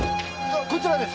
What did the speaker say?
こちらです。